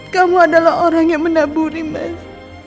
kamu adalah orang yang menaburi mas